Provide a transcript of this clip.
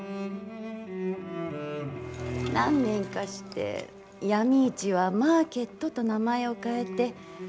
何年かして闇市は「マーケット」と名前を変えて。